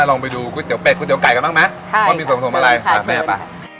ลองไปดูก๋วยเตี๋ยวเป็ดก๋วยเตี๋ยวไก่กันบ้างไหมใช่ค่ะว่ามีส่วนอะไรค่ะแม่ป่ะ